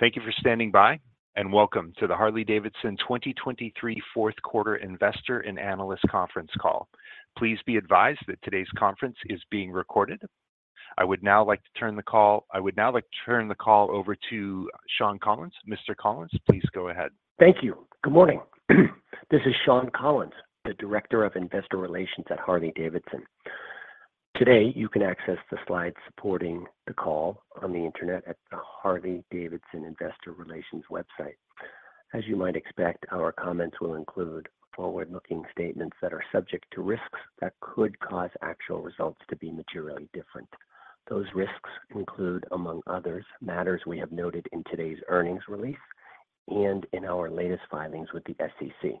Thank you for standing by, and welcome to the Harley-Davidson 2023 fourth quarter investor and analyst conference call. Please be advised that today's conference is being recorded. I would now like to turn the call over to Shawn Collins. Mr. Collins, please go ahead. Thank you. Good morning. This is Shawn Collins, the Director of Investor Relations at Harley-Davidson. Today, you can access the slides supporting the call on the internet at the Harley-Davidson Investor Relations website. As you might expect, our comments will include forward-looking statements that are subject to risks that could cause actual results to be materially different. Those risks include, among others, matters we have noted in today's earnings release and in our latest filings with the SEC.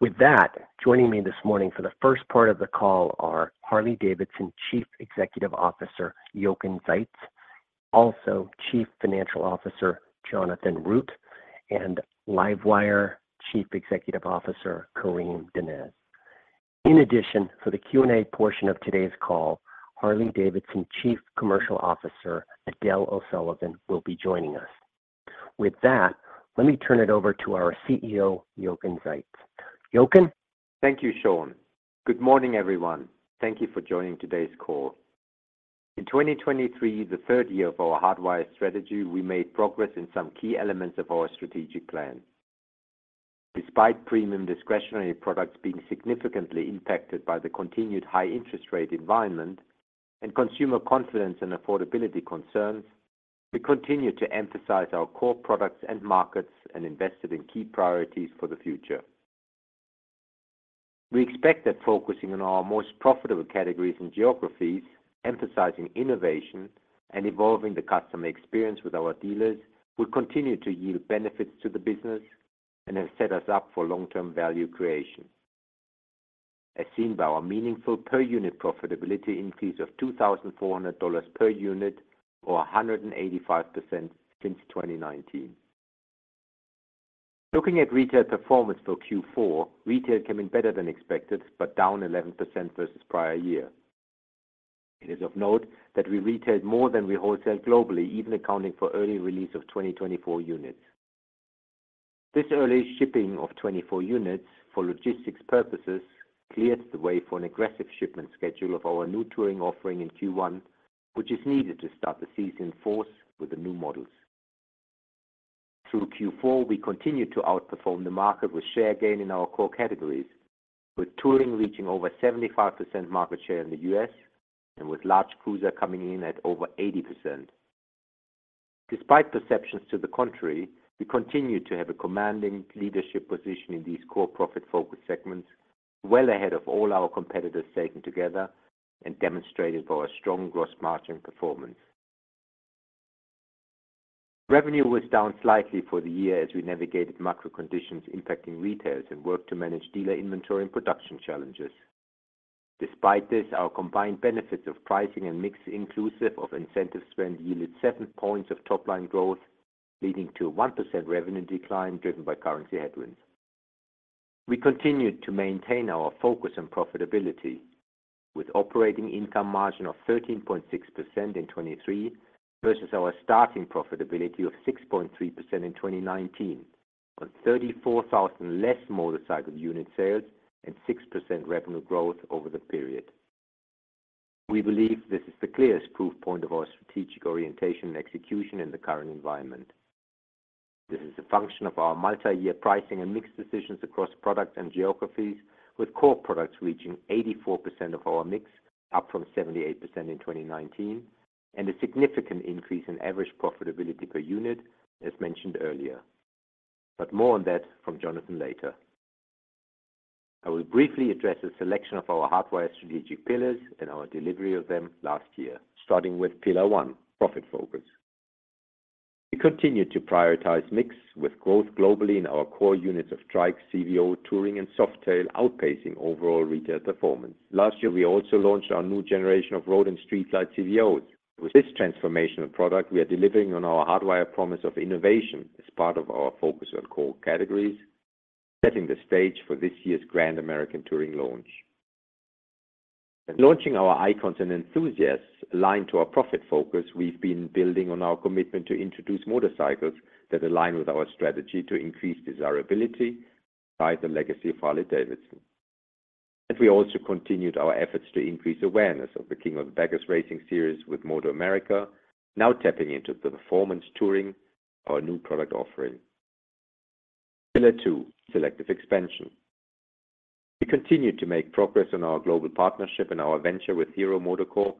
With that, joining me this morning for the first part of the call are Harley-Davidson Chief Executive Officer, Jochen Zeitz, also Chief Financial Officer, Jonathan Root, and LiveWire Chief Executive Officer, Karim Donnez. In addition, for the Q&A portion of today's call, Harley-Davidson Chief Commercial Officer, Edel O'Sullivan, will be joining us. With that, let me turn it over to our CEO, Jochen Zeitz. Jochen? Thank you, Shawn. Good morning, everyone. Thank you for joining today's call. In 2023, the third year of our Hardwire strategy, we made progress in some key elements of our strategic plan. Despite premium discretionary products being significantly impacted by the continued high interest rate environment and consumer confidence and affordability concerns, we continued to emphasize our core products and markets and invested in key priorities for the future. We expect that focusing on our most profitable categories and geographies, emphasizing innovation and evolving the customer experience with our dealers, will continue to yield benefits to the business and have set us up for long-term value creation, as seen by our meaningful per unit profitability increase of $2,400 per unit or 185% since 2019. Looking at retail performance for Q4, retail came in better than expected, but down 11% versus prior year. It is of note that we retailed more than we wholesaled globally, even accounting for early release of 2024 units. This early shipping of 2024 units for logistics purposes, cleared the way for an aggressive shipment schedule of our new touring offering in Q1, which is needed to start the season in force with the new models. Through Q4, we continued to outperform the market with share gain in our core categories, with touring reaching over 75% market share in the U.S. and with Large Cruiser coming in at over 80%. Despite perceptions to the contrary, we continue to have a commanding leadership position in these core profit-focused segments, well ahead of all our competitors taken together and demonstrated by our strong gross margin performance. Revenue was down slightly for the year as we navigated macro conditions impacting retail and worked to manage dealer inventory and production challenges. Despite this, our combined benefits of pricing and mix, inclusive of incentive spend, yielded 7 points of top-line growth, leading to a 1% revenue decline driven by currency headwinds. We continued to maintain our focus on profitability, with operating income margin of 13.6% in 2023 versus our starting profitability of 6.3% in 2019, on 34,000 less motorcycle unit sales and 6% revenue growth over the period. We believe this is the clearest proof point of our strategic orientation and execution in the current environment. This is a function of our multi-year pricing and mix decisions across products and geographies, with core products reaching 84% of our mix, up from 78% in 2019, and a significant increase in average profitability per unit, as mentioned earlier. But more on that from Jonathan later. I will briefly address a selection of our Hardwire strategic pillars and our delivery of them last year, starting with pillar one: profit focus. We continued to prioritize mix with growth globally in our core units of trike, CVO, Touring, and Softail, outpacing overall retail performance. Last year, we also launched our new generation of Road and Street Glide CVOs. With this transformational product, we are delivering on our Hardwire promise of innovation as part of our focus on core categories, setting the stage for this year's Grand American Touring launch. Launching our Icons and Enthusiasts aligned to our profit focus, we've been building on our commitment to introduce motorcycles that align with our strategy to increase desirability by the legacy of Harley-Davidson. We also continued our efforts to increase awareness of the King of the Baggers racing series with MotoAmerica, now tapping into the performance touring our new product offering. Pillar two, selective expansion. We continued to make progress on our global partnership and our venture with Hero MotoCorp,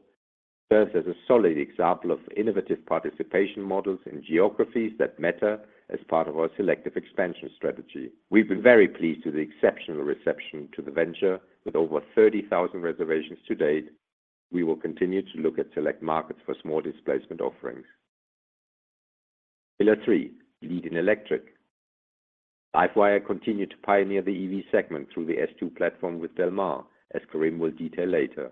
serves as a solid example of innovative participation models in geographies that matter as part of our selective expansion strategy. We've been very pleased with the exceptional reception to the venture. With over 30,000 reservations to date, we will continue to look at select markets for small displacement offerings. Pillar three, leading electric. LiveWire continued to pioneer the EV segment through the S2 platform with Del Mar, as Karim will detail later.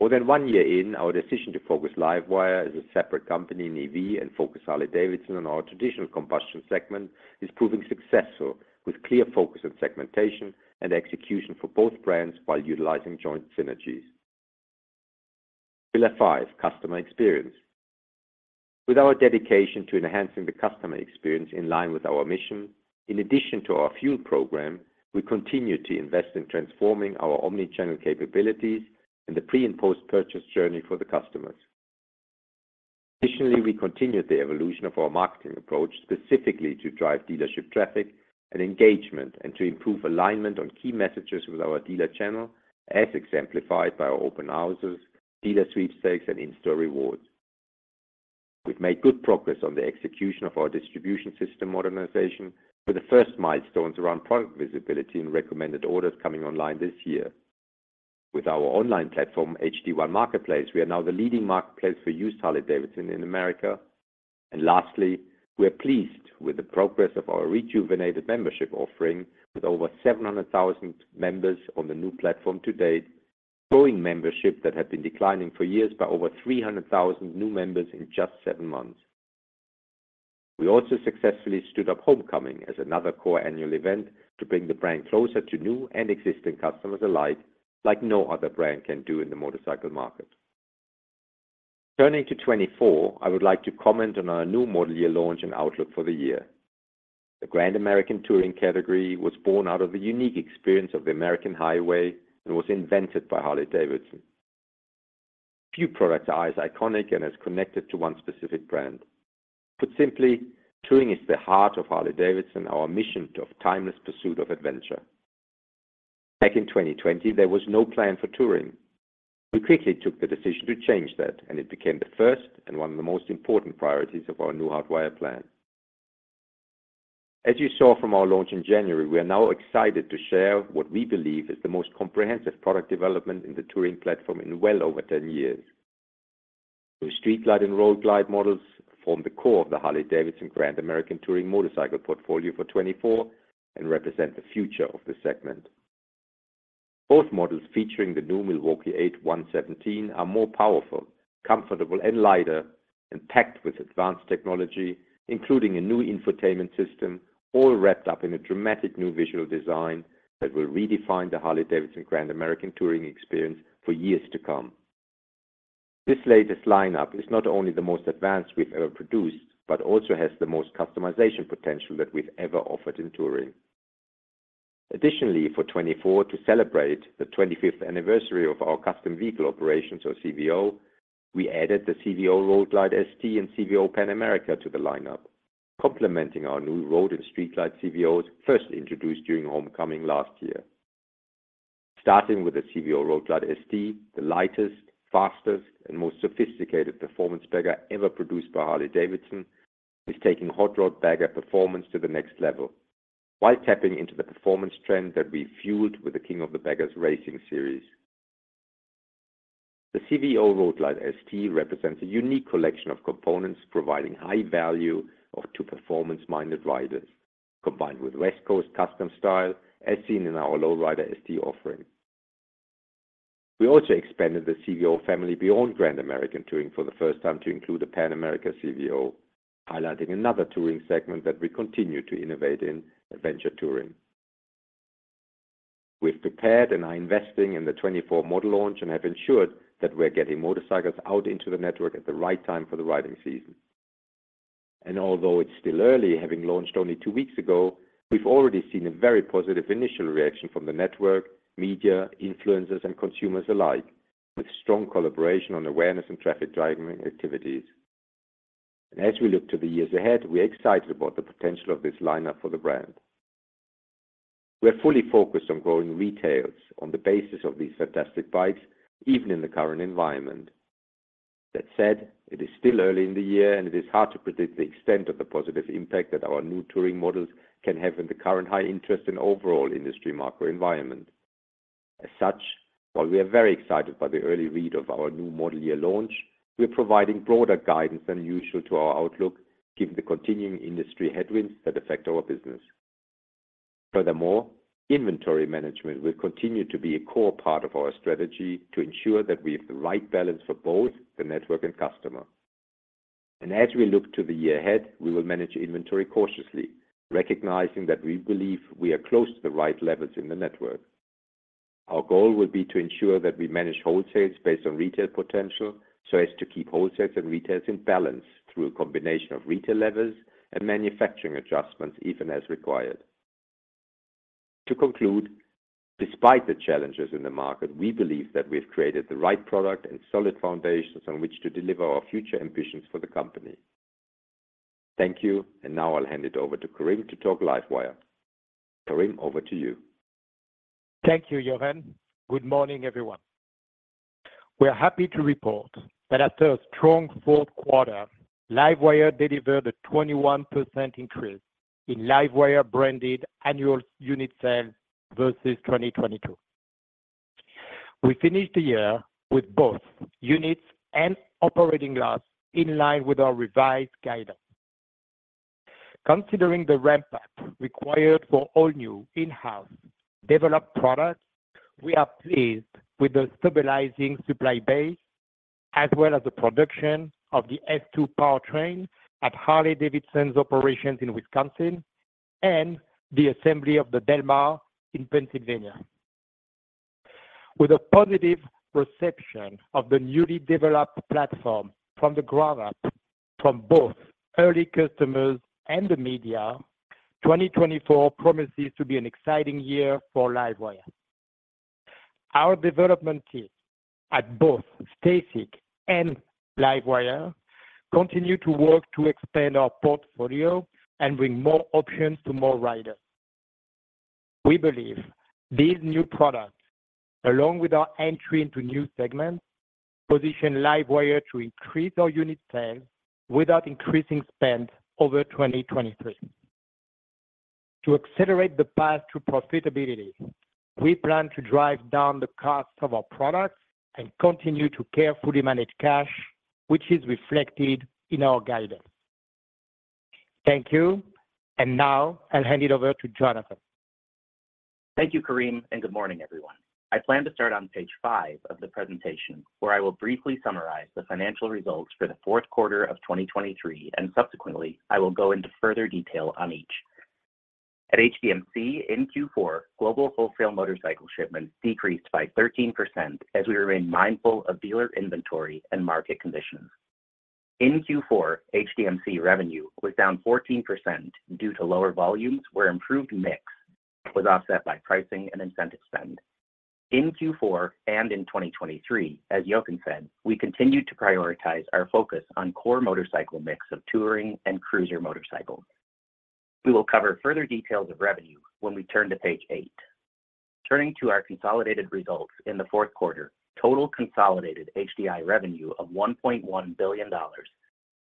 More than one year in, our decision to focus LiveWire as a separate company in EV and focus Harley-Davidson on our traditional combustion segment, is proving successful, with clear focus on segmentation and execution for both brands while utilizing joint synergies… Pillar five, customer experience. With our dedication to enhancing the customer experience in line with our mission, in addition to our Fuel program, we continue to invest in transforming our omni-channel capabilities and the pre- and post-purchase journey for the customers. Additionally, we continued the evolution of our marketing approach, specifically to drive dealership traffic and engagement, and to improve alignment on key messages with our dealer channel, as exemplified by our open houses, dealer sweepstakes, and in-store rewards. We've made good progress on the execution of our distribution system modernization, with the first milestones around product visibility and recommended orders coming online this year. With our online platform, H-D1 Marketplace, we are now the leading marketplace for used Harley-Davidson in America. Lastly, we are pleased with the progress of our rejuvenated membership offering, with over 700,000 members on the new platform to date, growing membership that had been declining for years by over 300,000 new members in just 7 months. We also successfully stood up Homecoming as another core annual event to bring the brand closer to new and existing customers alike, like no other brand can do in the motorcycle market. Turning to 2024, I would like to comment on our new model year launch and outlook for the year. The Grand American Touring category was born out of the unique experience of the American highway and was invented by Harley-Davidson. Few products are as iconic and as connected to one specific brand. Put simply, touring is the heart of Harley-Davidson, our mission of timeless pursuit of adventure. Back in 2020, there was no plan for touring. We quickly took the decision to change that, and it became the first and one of the most important priorities of our new Hardwire plan. As you saw from our launch in January, we are now excited to share what we believe is the most comprehensive product development in the touring platform in well over 10 years. The Street Glide and Road Glide models form the core of the Harley-Davidson Grand American Touring motorcycle portfolio for 2024 and represent the future of this segment. Both models, featuring the new Milwaukee-Eight 117, are more powerful, comfortable, and lighter, and packed with advanced technology, including a new infotainment system, all wrapped up in a dramatic new visual design that will redefine the Harley-Davidson Grand American Touring experience for years to come. This latest lineup is not only the most advanced we've ever produced, but also has the most customization potential that we've ever offered in touring. Additionally, for 2024, to celebrate the 25th anniversary of our Custom Vehicle Operations or CVO, we added the CVO Road Glide ST and CVO Pan America to the lineup, complementing our new Road and Street Glide CVOs, first introduced during Homecoming last year. Starting with the CVO Road Glide ST, the lightest, fastest, and most sophisticated performance bagger ever produced by Harley-Davidson, is taking hot rod bagger performance to the next level while tapping into the performance trend that we fueled with the King of the Baggers racing series. The CVO Road Glide ST represents a unique collection of components, providing high value to performance-minded riders, combined with West Coast custom style, as seen in our Low Rider ST offering. We also expanded the CVO family beyond Grand American Touring for the first time to include the Pan America CVO, highlighting another touring segment that we continue to innovate in, adventure touring. We've prepared and are investing in the 2024 model launch and have ensured that we are getting motorcycles out into the network at the right time for the riding season. Although it's still early, having launched only two weeks ago, we've already seen a very positive initial reaction from the network, media, influencers, and consumers alike, with strong collaboration on awareness and traffic-driving activities. As we look to the years ahead, we are excited about the potential of this lineup for the brand. We are fully focused on growing retails on the basis of these fantastic bikes, even in the current environment. That said, it is still early in the year, and it is hard to predict the extent of the positive impact that our new touring models can have in the current high interest and overall industry macro environment. As such, while we are very excited by the early read of our new model year launch, we are providing broader guidance than usual to our outlook, given the continuing industry headwinds that affect our business. Furthermore, inventory management will continue to be a core part of our strategy to ensure that we have the right balance for both the network and customer. As we look to the year ahead, we will manage inventory cautiously, recognizing that we believe we are close to the right levels in the network. Our goal will be to ensure that we manage wholesales based on retail potential, so as to keep wholesales and retails in balance through a combination of retail levels and manufacturing adjustments, even as required. To conclude, despite the challenges in the market, we believe that we've created the right product and solid foundations on which to deliver our future ambitions for the company. Thank you, and now I'll hand it over to Karim to talk LiveWire. Karim, over to you. Thank you, Jochen. Good morning, everyone. We are happy to report that after a strong fourth quarter, LiveWire delivered a 21% increase in LiveWire-branded annual unit sales versus 2022. We finished the year with both units and operating loss in line with our revised guidance. Considering the ramp-up required for all new in-house developed products, we are pleased with the stabilizing supply base, as well as the production of the S2 powertrain at Harley-Davidson's operations in Wisconsin, and the assembly of the Del Mar in Pennsylvania. With a positive perception of the newly developed platform from the ground up from both early customers and the media, 2024 promises to be an exciting year for LiveWire. Our development team at both STACYC and LiveWire continue to work to expand our portfolio and bring more options to more riders. We believe these new products, along with our entry into new segments, position LiveWire to increase our unit sales without increasing spend over 2023. To accelerate the path to profitability, we plan to drive down the cost of our products and continue to carefully manage cash, which is reflected in our guidance. Thank you, and now I'll hand it over to Jonathan. Thank you, Karim, and good morning, everyone. I plan to start on page 5 of the presentation, where I will briefly summarize the financial results for the fourth quarter of 2023, and subsequently, I will go into further detail on each. At HDMC in Q4, global wholesale motorcycle shipments decreased by 13% as we remain mindful of dealer inventory and market conditions. In Q4, HDMC revenue was down 14% due to lower volumes, where improved mix was offset by pricing and incentive spend. In Q4 and in 2023, as Jochen said, we continued to prioritize our focus on core motorcycle mix of touring and cruiser motorcycles. We will cover further details of revenue when we turn to page 8. Turning to our consolidated results in the fourth quarter, total consolidated HDI revenue of $1.1 billion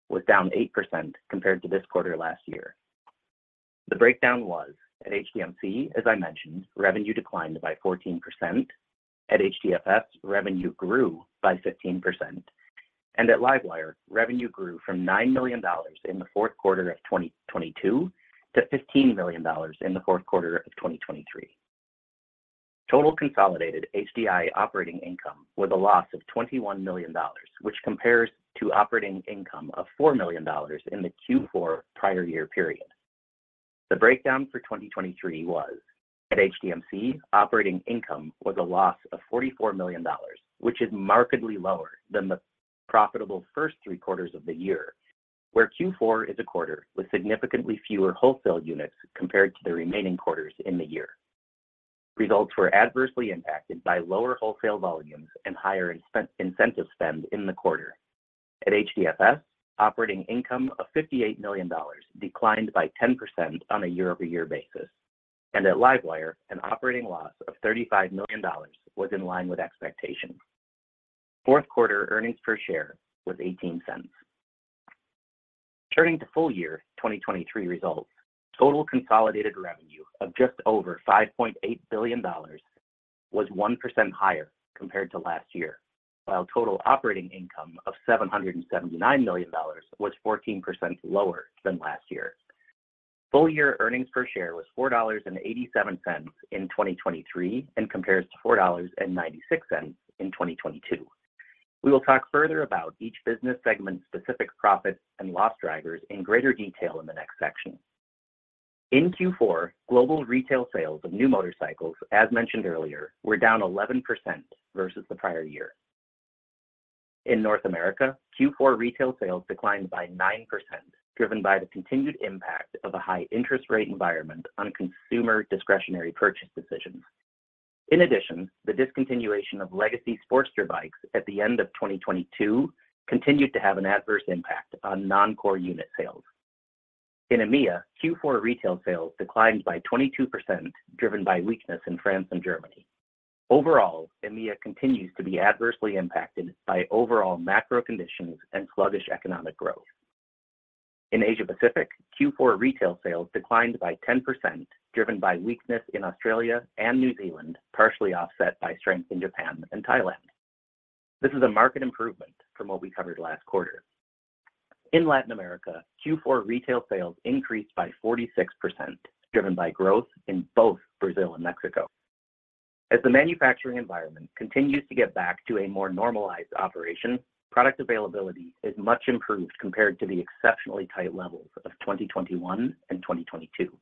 was down 8% compared to this quarter last year. The breakdown was: at HDMC, as I mentioned, revenue declined by 14%, at HDFS, revenue grew by 15%, and at LiveWire, revenue grew from $9 million in the fourth quarter of 2022 to $15 million in the fourth quarter of 2023. Total consolidated HDI operating income was a loss of $21 million, which compares to operating income of $4 million in the Q4 prior year period. The breakdown for 2023 was: at HDMC, operating income was a loss of $44 million, which is markedly lower than the profitable first three quarters of the year, where Q4 is a quarter with significantly fewer wholesale units compared to the remaining quarters in the year. Results were adversely impacted by lower wholesale volumes and higher incentive spend in the quarter. At HDFS, operating income of $58 million declined by 10% on a year-over-year basis, and at LiveWire, an operating loss of $35 million was in line with expectations. Fourth quarter earnings per share was $0.18. Turning to full year 2023 results, total consolidated revenue of just over $5.8 billion was 1% higher compared to last year, while total operating income of $779 million was 14% lower than last year. Full year earnings per share was $4.87 in 2023 and compares to $4.96 in 2022. We will talk further about each business segment's specific profit and loss drivers in greater detail in the next section. In Q4, global retail sales of new motorcycles, as mentioned earlier, were down 11% versus the prior year. In North America, Q4 retail sales declined by 9%, driven by the continued impact of a high interest rate environment on consumer discretionary purchase decisions. In addition, the discontinuation of Legacy Sportster bikes at the end of 2022 continued to have an adverse impact on non-core unit sales. In EMEA, Q4 retail sales declined by 22%, driven by weakness in France and Germany. Overall, EMEA continues to be adversely impacted by overall macro conditions and sluggish economic growth. In Asia Pacific, Q4 retail sales declined by 10%, driven by weakness in Australia and New Zealand, partially offset by strength in Japan and Thailand. This is a market improvement from what we covered last quarter. In Latin America, Q4 retail sales increased by 46%, driven by growth in both Brazil and Mexico. As the manufacturing environment continues to get back to a more normalized operation, product availability is much improved compared to the exceptionally tight levels of 2021 and 2022.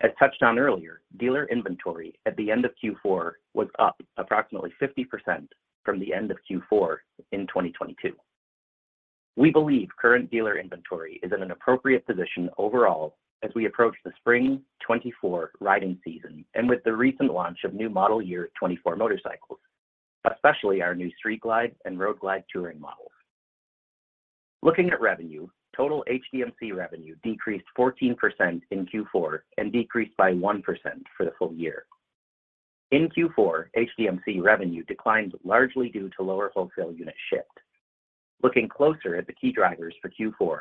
As touched on earlier, dealer inventory at the end of Q4 was up approximately 50% from the end of Q4 in 2022. We believe current dealer inventory is in an appropriate position overall as we approach the spring 2024 riding season and with the recent launch of new model year 2024 motorcycles, especially our new Street Glide and Road Glide touring models. Looking at revenue, total HDMC revenue decreased 14% in Q4 and decreased by 1% for the full year. In Q4, HDMC revenue declined largely due to lower wholesale units shipped. Looking closer at the key drivers for Q4,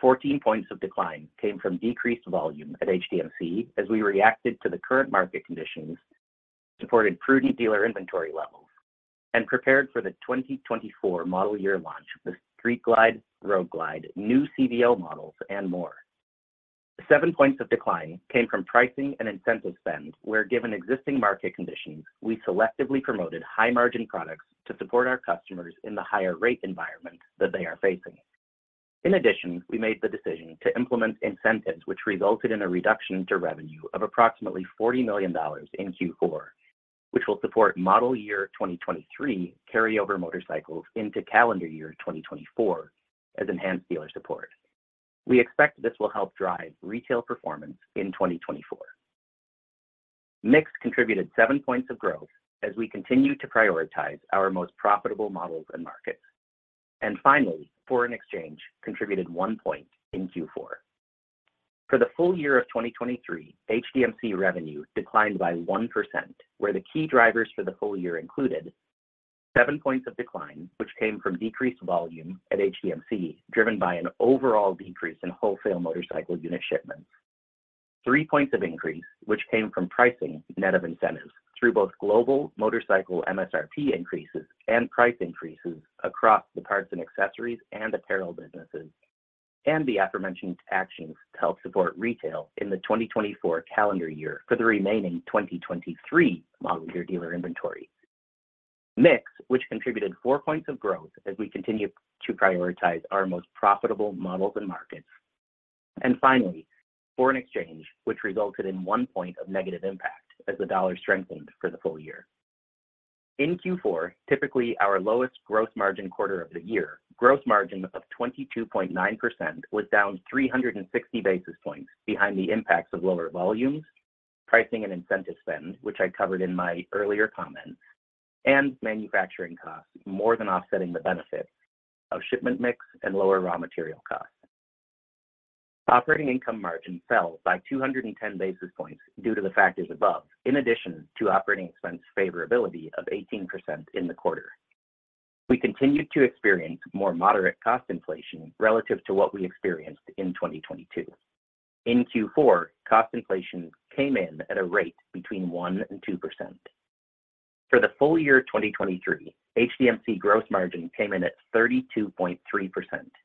14 points of decline came from decreased volume at HDMC as we reacted to the current market conditions, supported prudent dealer inventory levels, and prepared for the 2024 model year launch, the Street Glide, Road Glide, new CVO models, and more. 7 points of decline came from pricing and incentive spend, where, given existing market conditions, we selectively promoted high-margin products to support our customers in the higher rate environment that they are facing. In addition, we made the decision to implement incentives, which resulted in a reduction to revenue of approximately $40 million in Q4, which will support model year 2023 carryover motorcycles into calendar year 2024 as enhanced dealer support. We expect this will help drive retail performance in 2024. Mix contributed 7 points of growth as we continue to prioritize our most profitable models and markets. And finally, foreign exchange contributed 1 point in Q4. For the full year of 2023, HDMC revenue declined by 1%, where the key drivers for the full year included: 7 points of decline, which came from decreased volume at HDMC, driven by an overall decrease in wholesale motorcycle unit shipments. 3 points of increase, which came from pricing net of incentives through both global motorcycle MSRP increases and price increases across the parts and accessories and apparel businesses, and the aforementioned actions to help support retail in the 2024 calendar year for the remaining 2023 model year dealer inventory. Mix, which contributed 4 points of growth as we continue to prioritize our most profitable models and markets. Finally, foreign exchange, which resulted in 1 point of negative impact as the dollar strengthened for the full year. In Q4, typically our lowest gross margin quarter of the year, gross margin of 22.9% was down 360 basis points behind the impacts of lower volumes, pricing and incentive spend, which I covered in my earlier comments, and manufacturing costs, more than offsetting the benefit of shipment mix and lower raw material costs. Operating income margin fell by 210 basis points due to the factors above, in addition to operating expense favorability of 18% in the quarter. We continued to experience more moderate cost inflation relative to what we experienced in 2022. In Q4, cost inflation came in at a rate between 1% and 2%. For the full year 2023, HDMC gross margin came in at 32.3%,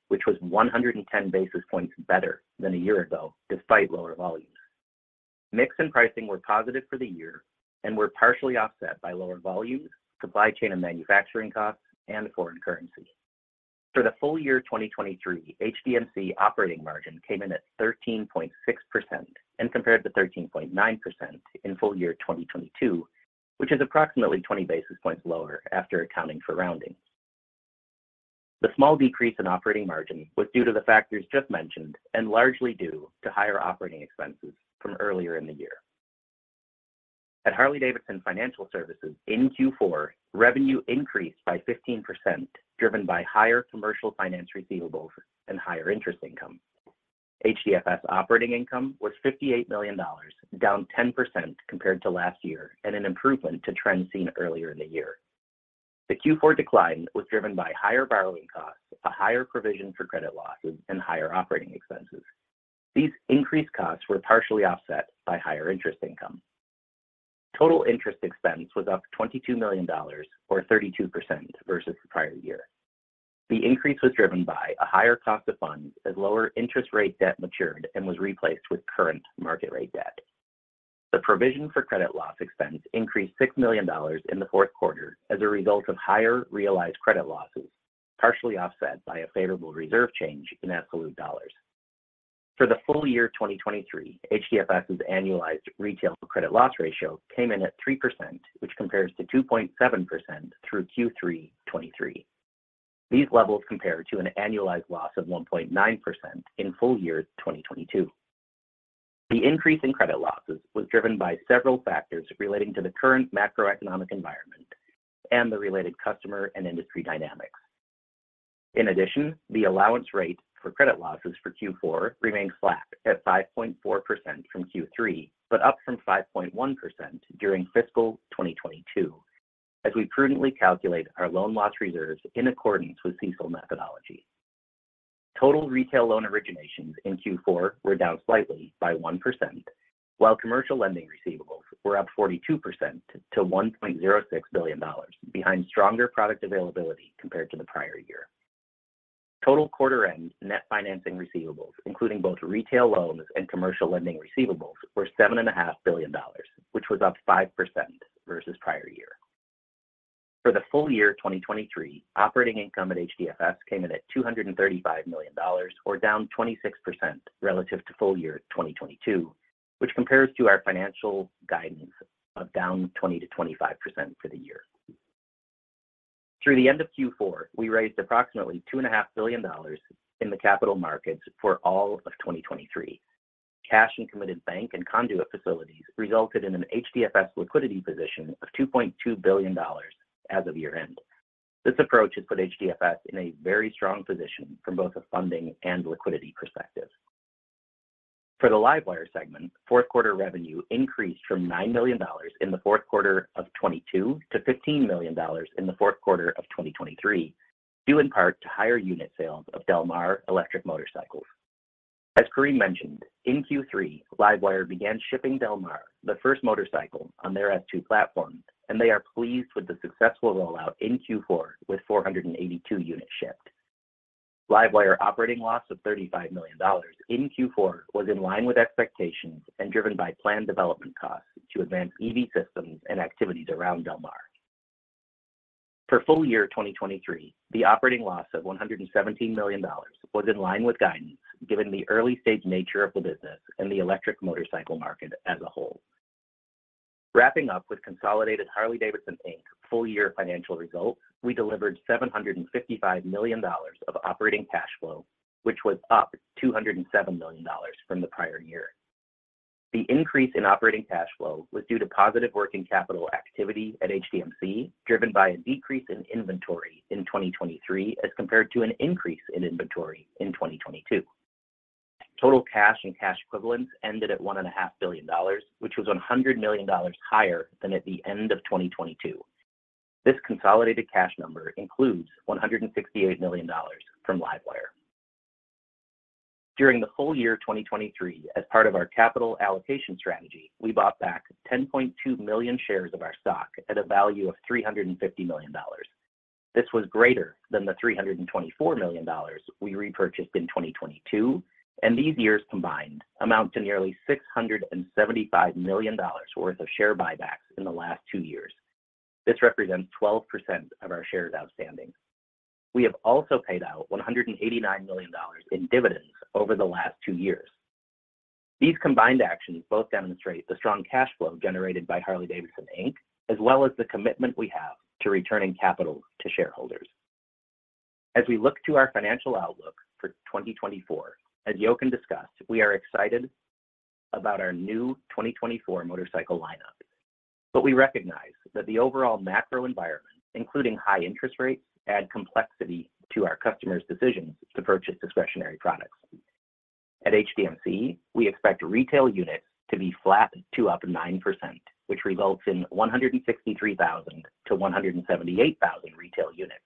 which was 110 basis points better than a year ago, despite lower volumes. Mix and pricing were positive for the year and were partially offset by lower volumes, supply chain and manufacturing costs, and foreign currency. For the full year 2023, HDMC operating margin came in at 13.6% and compared to 13.9% in full year 2022, which is approximately 20 basis points lower after accounting for rounding. The small decrease in operating margin was due to the factors just mentioned and largely due to higher operating expenses from earlier in the year. At Harley-Davidson Financial Services in Q4, revenue increased by 15%, driven by higher commercial finance receivables and higher interest income. HDFS operating income was $58 million, down 10% compared to last year and an improvement to trends seen earlier in the year. The Q4 decline was driven by higher borrowing costs, a higher provision for credit losses, and higher operating expenses. These increased costs were partially offset by higher interest income. Total interest expense was up $22 million, or 32% versus the prior year. The increase was driven by a higher cost of funds, as lower interest rate debt matured and was replaced with current market rate debt. The provision for credit loss expense increased $6 million in the fourth quarter as a result of higher realized credit losses, partially offset by a favorable reserve change in absolute dollars. For the full year 2023, HDFS's annualized retail credit loss ratio came in at 3%, which compares to 2.7% through Q3 2023. These levels compare to an annualized loss of 1.9% in full year 2022. The increase in credit losses was driven by several factors relating to the current macroeconomic environment and the related customer and industry dynamics. In addition, the allowance rate for credit losses for Q4 remained flat at 5.4% from Q3, but up from 5.1% during fiscal 2022, as we prudently calculate our loan loss reserves in accordance with CECL methodology. Total retail loan originations in Q4 were down slightly by 1%, while commercial lending receivables were up 42% to $1.06 billion, behind stronger product availability compared to the prior year. Total quarter end net financing receivables, including both retail loans and commercial lending receivables, were $7.5 billion, which was up 5% versus prior year. For the full year 2023, operating income at HDFS came in at $235 million, or down 26% relative to full year 2022, which compares to our financial guidance of down 20%-25% for the year. Through the end of Q4, we raised approximately $2.5 billion in the capital markets for all of 2023. Cash and committed bank and conduit facilities resulted in an HDFS liquidity position of $2.2 billion as of year-end. This approach has put HDFS in a very strong position from both a funding and liquidity perspective. For the LiveWire segment, fourth quarter revenue increased from $9 million in the fourth quarter of 2022 to $15 million in the fourth quarter of 2023, due in part to higher unit sales of Del Mar electric motorcycles. As Karim mentioned, in Q3, LiveWire began shipping Del Mar, the first motorcycle on their S2 platform, and they are pleased with the successful rollout in Q4 with 482 units shipped. LiveWire operating loss of $35 million in Q4 was in line with expectations and driven by planned development costs to advance EV systems and activities around Del Mar. For full year 2023, the operating loss of $117 million was in line with guidance, given the early-stage nature of the business and the electric motorcycle market as a whole. Wrapping up with consolidated Harley-Davidson, Inc. full-year financial results, we delivered $755 million of operating cash flow, which was up $207 million from the prior year. The increase in operating cash flow was due to positive working capital activity at HDMC, driven by a decrease in inventory in 2023, as compared to an increase in inventory in 2022. Total cash and cash equivalents ended at $1.5 billion, which was $100 million higher than at the end of 2022. This consolidated cash number includes $168 million from LiveWire. During the full year 2023, as part of our capital allocation strategy, we bought back 10.2 million shares of our stock at a value of $350 million. This was greater than the $324 million we repurchased in 2022, and these years combined amount to nearly $675 million worth of share buybacks in the last two years. This represents 12% of our shares outstanding. We have also paid out $189 million in dividends over the last 2 years. These combined actions both demonstrate the strong cash flow generated by Harley-Davidson, Inc., as well as the commitment we have to returning capital to shareholders. As we look to our financial outlook for 2024, as Jochen discussed, we are excited about our new 2024 motorcycle lineup, but we recognize that the overall macro environment, including high interest rates, add complexity to our customers' decisions to purchase discretionary products. At HDMC, we expect retail units to be flat to up 9%, which results in 163,000-178,000 retail units.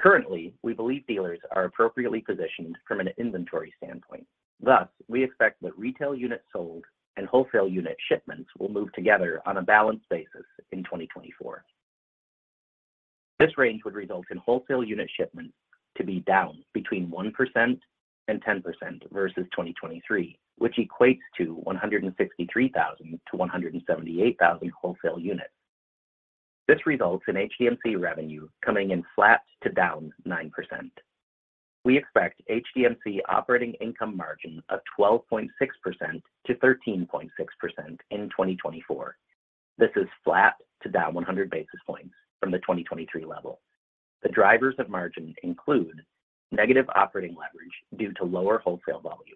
Currently, we believe dealers are appropriately positioned from an inventory standpoint, thus, we expect that retail units sold and wholesale unit shipments will move together on a balanced basis in 2024. This range would result in wholesale unit shipments to be down between 1% and 10% versus 2023, which equates to 163,000-178,000 wholesale units. This results in HDMC revenue coming in flat to down 9%. We expect HDMC operating income margin of 12.6%-13.6% in 2024. This is flat to down 100 basis points from the 2023 level. The drivers of margin include negative operating leverage due to lower wholesale volumes.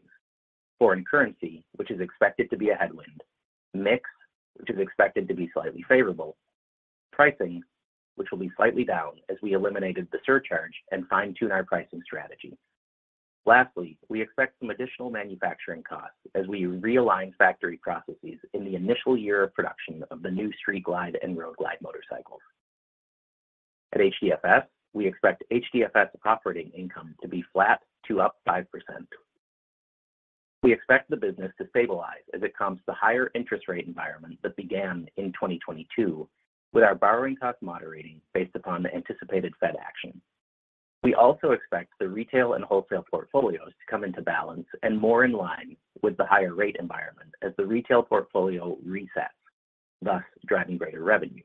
Foreign currency, which is expected to be a headwind. Mix, which is expected to be slightly favorable. Pricing, which will be slightly down as we eliminated the surcharge and fine-tune our pricing strategy. Lastly, we expect some additional manufacturing costs as we realign factory processes in the initial year of production of the new Street Glide and Road Glide motorcycles. At HDFS, we expect HDFS operating income to be flat to up 5%. We expect the business to stabilize as it comes to higher interest rate environment that began in 2022, with our borrowing cost moderating based upon the anticipated Fed action. We also expect the retail and wholesale portfolios to come into balance and more in line with the higher rate environment as the retail portfolio resets, thus driving greater revenue.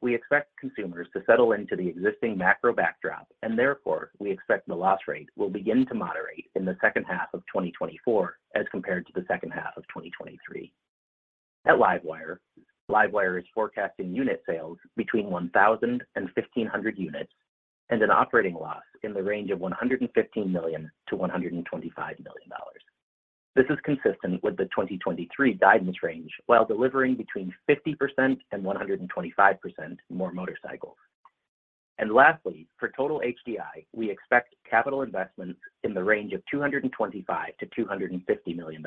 We expect consumers to settle into the existing macro backdrop, and therefore, we expect the loss rate will begin to moderate in the second half of 2024 as compared to the second half of 2023. At LiveWire, LiveWire is forecasting unit sales between 1,000 and 1,500 units, and an operating loss in the range of $115 million-$125 million. This is consistent with the 2023 guidance range, while delivering between 50% and 125% more motorcycles. And lastly, for total HDI, we expect capital investments in the range of $225 million-$250 million.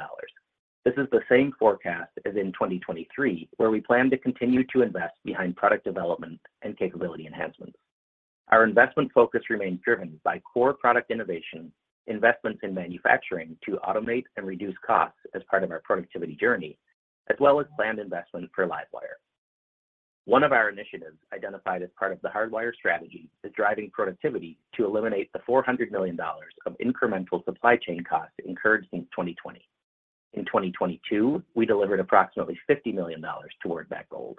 This is the same forecast as in 2023, where we plan to continue to invest behind product development and capability enhancements. Our investment focus remains driven by core product innovation, investments in manufacturing to automate and reduce costs as part of our productivity journey, as well as planned investments for LiveWire. One of our initiatives, identified as part of the Hardwire strategy, is driving productivity to eliminate the $400 million of incremental supply chain costs incurred since 2020. In 2022, we delivered approximately $50 million toward that goal.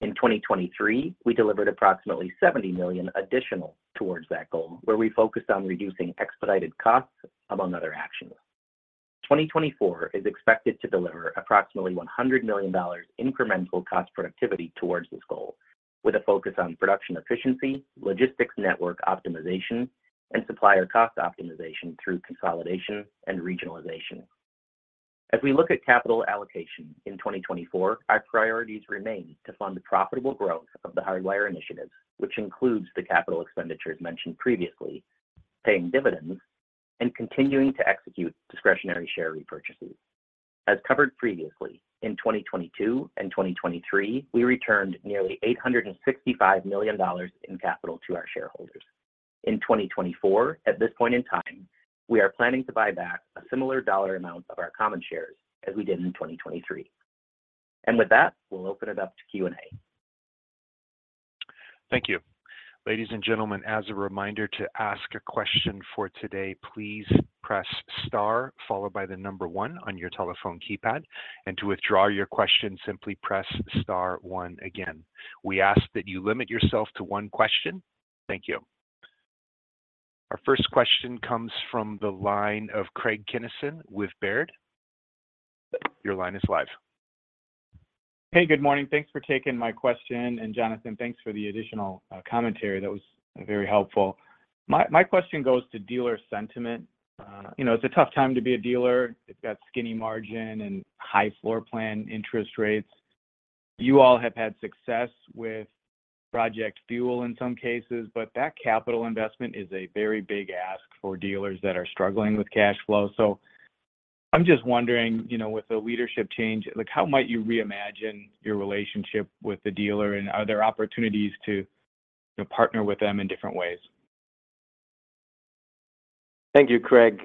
In 2023, we delivered approximately $70 million additional towards that goal, where we focused on reducing expedited costs, among other actions. 2024 is expected to deliver approximately $100 million incremental cost productivity towards this goal, with a focus on production efficiency, logistics network optimization, and supplier cost optimization through consolidation and regionalization. As we look at capital allocation in 2024, our priorities remain to fund the profitable growth of the Hardwire initiatives, which includes the capital expenditures mentioned previously, paying dividends, and continuing to execute discretionary share repurchases. As covered previously, in 2022 and 2023, we returned nearly $865 million in capital to our shareholders. In 2024, at this point in time, we are planning to buy back a similar dollar amount of our common shares as we did in 2023. And with that, we'll open it up to Q&A. Thank you. Ladies and gentlemen, as a reminder to ask a question for today, please press star followed by the number one on your telephone keypad, and to withdraw your question, simply press star one again. We ask that you limit yourself to one question. Thank you. Our first question comes from the line of Craig Kennison with Baird. Your line is live. Hey, good morning. Thanks for taking my question, and Jonathan, thanks for the additional commentary. That was very helpful. My question goes to dealer sentiment. You know, it's a tough time to be a dealer. They've got skinny margin and high floor plan interest rates. You all have had success with Project Fuel in some cases, but that capital investment is a very big ask for dealers that are struggling with cash flow. So I'm just wondering, you know, with the leadership change, like, how might you reimagine your relationship with the dealer? And are there opportunities to partner with them in different ways? Thank you, Craig.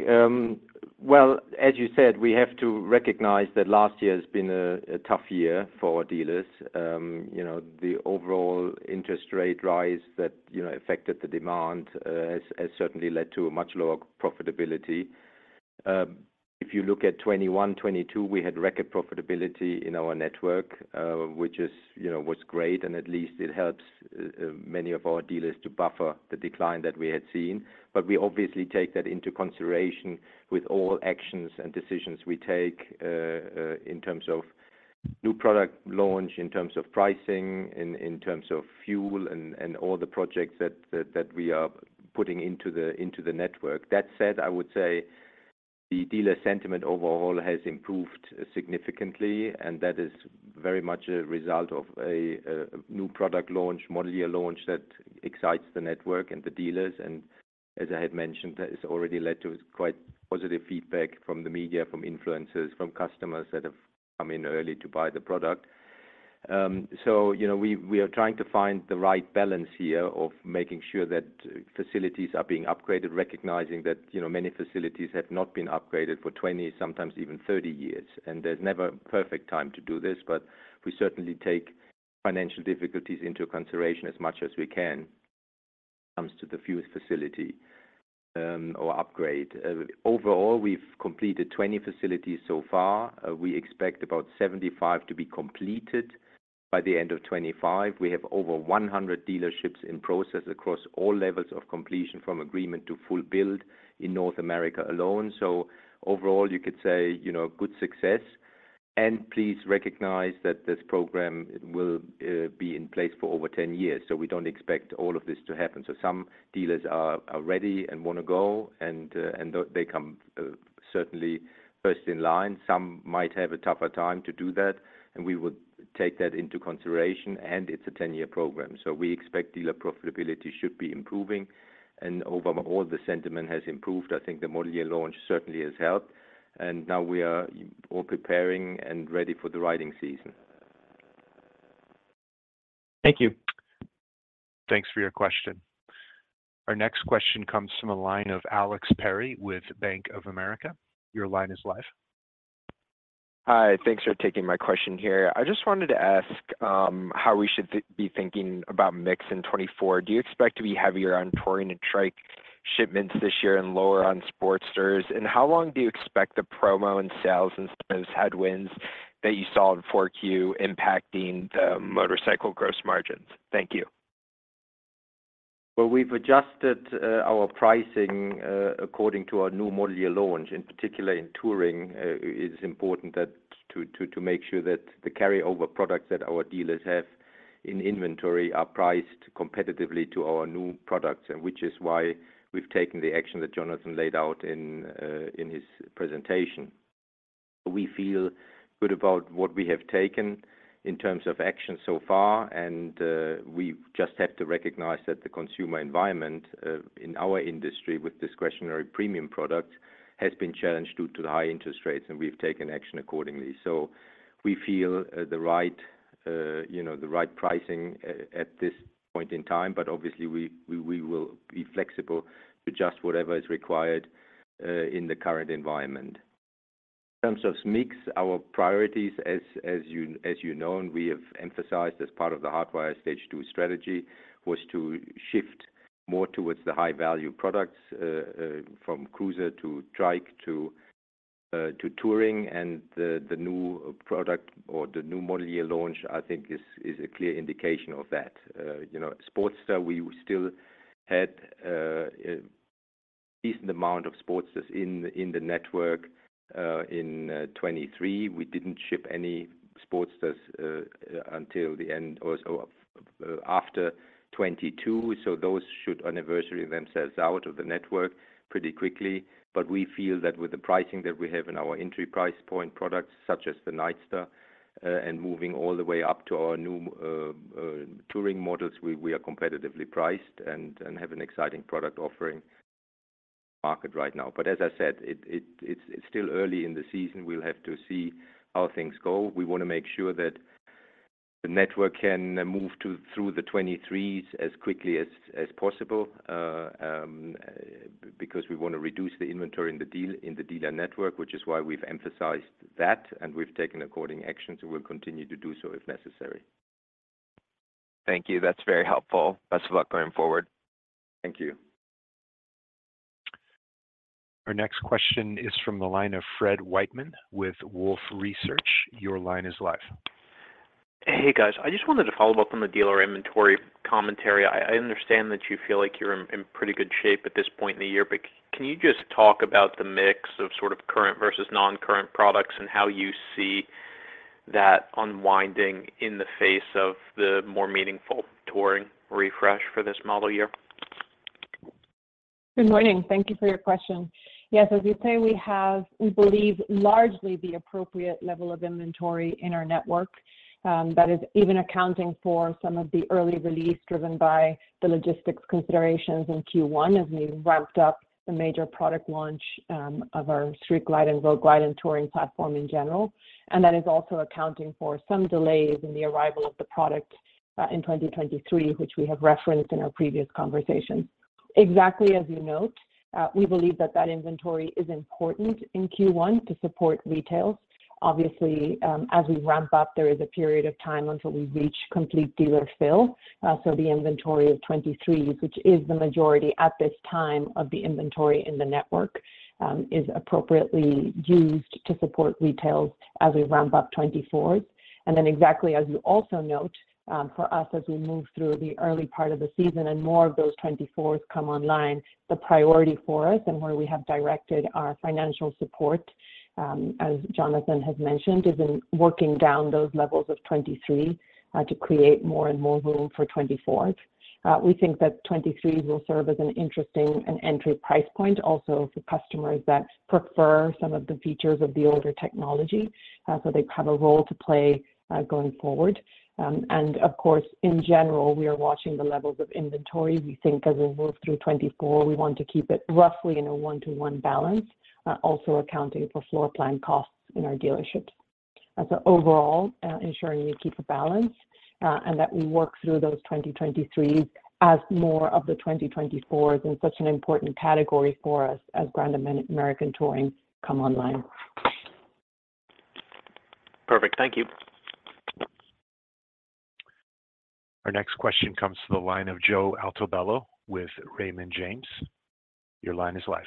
Well, as you said, we have to recognize that last year has been a tough year for our dealers. You know, the overall interest rate rise that, you know, affected the demand, has certainly led to a much lower profitability. If you look at 2021, 2022, we had record profitability in our network, which is, you know, was great, and at least it helps, many of our dealers to buffer the decline that we had seen. But we obviously take that into consideration with all actions and decisions we take, in terms of new product launch, in terms of pricing, in terms of fuel, and all the projects that we are putting into the network. That said, I would say the dealer sentiment overall has improved significantly, and that is very much a result of a new product launch, model year launch that excites the network and the dealers. And as I had mentioned, that has already led to quite positive feedback from the media, from influencers, from customers that have come in early to buy the product. You know, we are trying to find the right balance here of making sure that facilities are being upgraded, recognizing that, you know, many facilities have not been upgraded for 20, sometimes even 30 years, and there's never a perfect time to do this, but we certainly take financial difficulties into consideration as much as we can when it comes to the Fuel facility, or upgrade. Overall, we've completed 20 facilities so far. We expect about 75 to be completed by the end of 2025. We have over 100 dealerships in process across all levels of completion, from agreement to full build in North America alone. So overall, you could say, you know, good success. And please recognize that this program will be in place for over 10 years, so we don't expect all of this to happen. Some dealers are ready and want to go, and they come certainly first in line. Some might have a tougher time to do that, and we would take that into consideration. And it's a 10-year program, so we expect dealer profitability should be improving, and overall, the sentiment has improved. I think the model year launch certainly has helped, and now we are all preparing and ready for the riding season. Thank you. Thanks for your question. Our next question comes from a line of Alex Perry with Bank of America. Your line is live. Hi, thanks for taking my question here. I just wanted to ask how we should be thinking about mix in 2024. Do you expect to be heavier on touring and trike shipments this year and lower on Sportsters? And how long do you expect the promo and sales and those headwinds that you saw in 4Q impacting the motorcycle gross margins? Thank you. Well, we've adjusted our pricing according to our new model year launch. In particular, in Touring, it's important to make sure that the carryover products that our dealers have in inventory are priced competitively to our new products, and which is why we've taken the action that Jonathan laid out in his presentation. We feel good about what we have taken in terms of action so far, and we just have to recognize that the consumer environment in our industry, with discretionary premium products, has been challenged due to the high interest rates, and we've taken action accordingly. So we feel the right, you know, the right pricing at this point in time, but obviously, we will be flexible to adjust whatever is required in the current environment. In terms of mix, our priorities, as you know, and we have emphasized as part of the Hardwire Stage II strategy, was to shift more towards the high-value products from Cruiser to Trike to Touring. And the new product or the new model year launch, I think is a clear indication of that. You know, Sportster, we still had a decent amount of Sportsters in the network. In 2023, we didn't ship any Sportsters until the end or so of after 2022, so those should inventory themselves out of the network pretty quickly. We feel that with the pricing that we have in our entry price point products, such as the Nightster, and moving all the way up to our new touring models, we are competitively priced and have an exciting product offering market right now. But as I said, it is still early in the season. We'll have to see how things go. We want to make sure that the network can move through the 2023s as quickly as possible, because we want to reduce the inventory in the dealer network, which is why we've emphasized that, and we've taken according actions, and we'll continue to do so if necessary. Thank you. That's very helpful. Best of luck going forward. Thank you. Our next question is from the line of Fred Whiteman with Wolfe Research. Your line is live. Hey, guys. I just wanted to follow up on the dealer inventory commentary. I understand that you feel like you're in pretty good shape at this point in the year, but can you just talk about the mix of sort of current versus non-current products and how you see that unwinding in the face of the more meaningful touring refresh for this model year? Good morning. Thank you for your question. Yes, as you say, we have, we believe, largely the appropriate level of inventory in our network, that is even accounting for some of the early release driven by the logistics considerations in Q1 as we ramped up the major product launch of our Street Glide and Road Glide and touring platform in general. That is also accounting for some delays in the arrival of the product in 2023, which we have referenced in our previous conversation. Exactly as you note, we believe that that inventory is important in Q1 to support retail. Obviously, as we ramp up, there is a period of time until we reach complete dealer fill. The inventory of 2023s, which is the majority at this time of the inventory in the network, is appropriately used to support retails as we ramp up 2024s. And then exactly as you also note, for us, as we move through the early part of the season and more of those 2024s come online, the priority for us and where we have directed our financial support, as Jonathan has mentioned, has been working down those levels of 2023, to create more and more room for 2024s. We think that 2023s will serve as an interesting and entry price point also for customers that prefer some of the features of the older technology, so they have a role to play, going forward. And of course, in general, we are watching the levels of inventory. We think as we move through 2024, we want to keep it roughly in a 1-to-1 balance, also accounting for floor plan costs in our dealerships. As an overall, ensuring we keep a balance, and that we work through those 2023s as more of the 2024s in such an important category for us as Grand American Touring come online. Perfect. Thank you. Our next question comes to the line of Joe Altobello with Raymond James. Your line is live.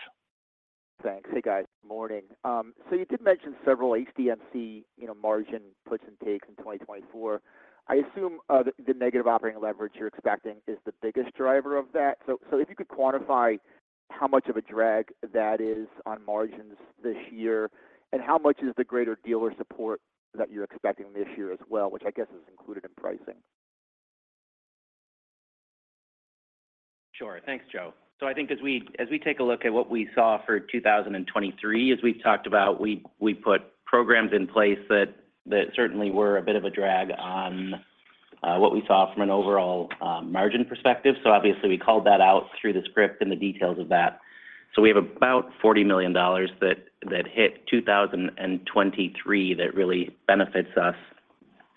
Thanks. Hey, guys, good morning. So you did mention several HDMC, you know, margin puts and takes in 2024. I assume the negative operating leverage you're expecting is the biggest driver of that. So if you could quantify how much of a drag that is on margins this year, and how much is the greater dealer support that you're expecting this year as well, which I guess is included in pricing? Sure. Thanks, Joe. So I think as we take a look at what we saw for 2023, as we've talked about, we put programs in place that certainly were a bit of a drag on what we saw from an overall margin perspective. So obviously, we called that out through the script and the details of that. So we have about $40 million that hit 2023 that really benefits us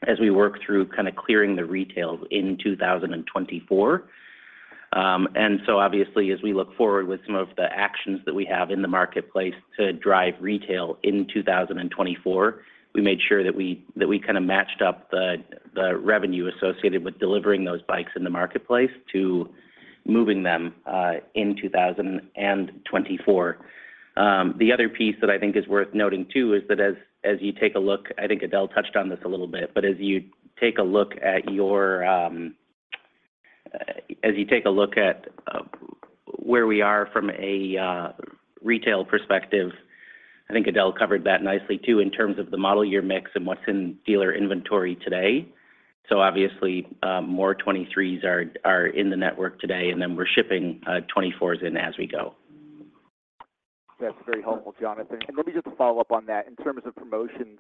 as we work through kind of clearing the retail in 2024. Obviously, as we look forward with some of the actions that we have in the marketplace to drive retail in 2024, we made sure that we, that we kind of matched up the, the revenue associated with delivering those bikes in the marketplace to moving them in 2024. The other piece that I think is worth noting, too, is that as you take a look, I think Edel touched on this a little bit, but as you take a look at where we are from a retail perspective, I think Edel covered that nicely, too, in terms of the model year mix and what's in dealer inventory today. Obviously, more 2023s are in the network today, and then we're shipping 2024s in as we go. That's very helpful, Jonathan. Let me just follow up on that. In terms of promotions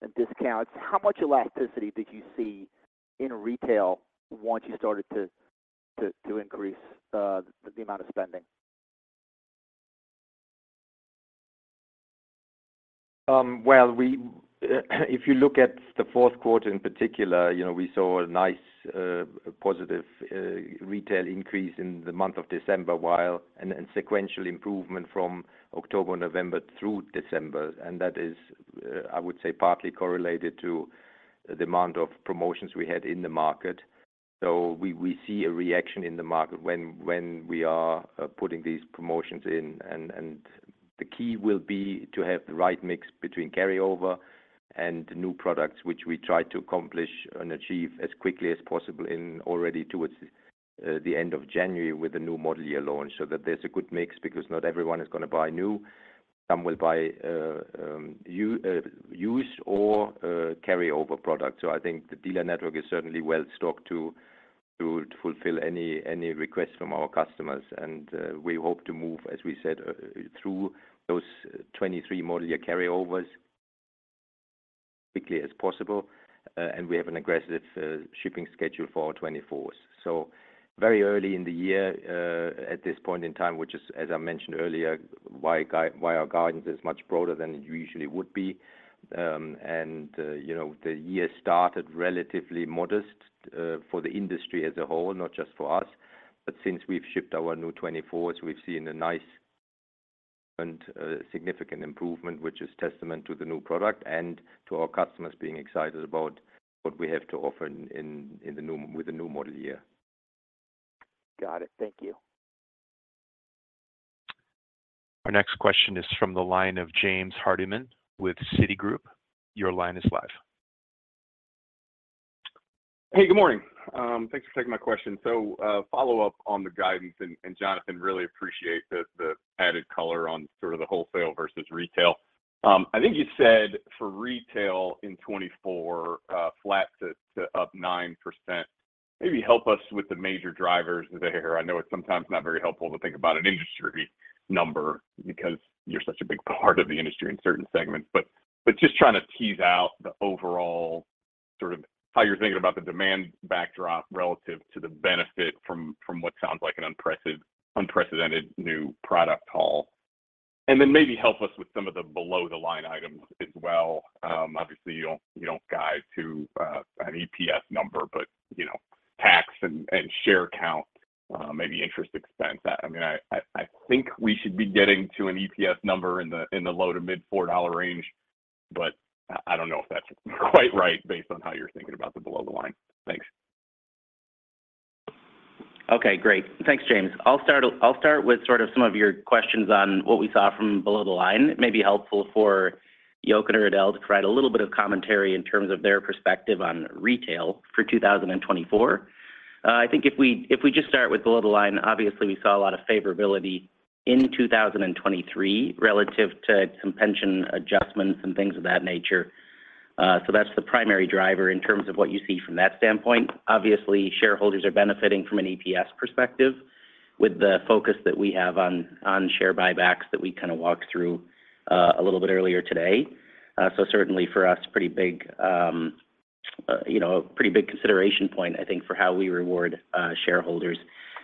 and discounts, how much elasticity did you see in retail once you started to increase the amount of spending? Well, if you look at the fourth quarter in particular, you know, we saw a nice positive retail increase in the month of December, while and sequential improvement from October, November through December. And that is, I would say, partly correlated to the amount of promotions we had in the market. So we see a reaction in the market when we are putting these promotions in. The key will be to have the right mix between carryover and new products, which we try to accomplish and achieve as quickly as possible in already towards the end of January with the new model year launch, so that there's a good mix, because not everyone is going to buy new. Some will buy used or carryover product. I think the dealer network is certainly well stocked to fulfill any request from our customers, and we hope to move, as we said, through those 2023 model year carryovers as quickly as possible, and we have an aggressive shipping schedule for our 2024s. So very early in the year, at this point in time, which is, as I mentioned earlier, why our guidance is much broader than it usually would be. The year started relatively modest for the industry as a whole, not just for us, but since we've shipped our new 2024s, we've seen a nice and significant improvement, which is testament to the new product and to our customers being excited about what we have to offer in the new with the new model year.... Got it. Thank you. Our next question is from the line of James Hardiman with Citigroup. Your line is live. Hey, good morning. Thanks for taking my question. So, follow up on the guidance, and Jonathan, really appreciate the added color on sort of the wholesale versus retail. I think you said for retail in 2024, flat to up 9%. Maybe help us with the major drivers there. I know it's sometimes not very helpful to think about an industry number because you're such a big part of the industry in certain segments, but just trying to tease out the overall sort of how you're thinking about the demand backdrop relative to the benefit from what sounds like an unprecedented new product haul. And then maybe help us with some of the below-the-line items as well. Obviously, you don't guide to an EPS number, but you know, tax and share count, maybe interest expense. I mean, I think we should be getting to an EPS number in the low- to mid-$4 range, but I don't know if that's quite right, based on how you're thinking about the below the line. Thanks. Okay, great. Thanks, James. I'll start with sort of some of your questions on what we saw from below the line. It may be helpful for Jochen or Edel to provide a little bit of commentary in terms of their perspective on retail for 2024. I think if we just start with below the line, obviously, we saw a lot of favorability in 2023 relative to some pension adjustments and things of that nature. So that's the primary driver in terms of what you see from that standpoint. Obviously, shareholders are benefiting from an EPS perspective with the focus that we have on share buybacks that we kind of walked through a little bit earlier today. Certainly for us, pretty big, you know, pretty big consideration point, I think, for how we reward shareholders.